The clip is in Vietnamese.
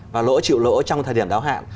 và lỗ chịu lỗ trong thời điểm đáo hạn